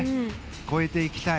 超えていきたい。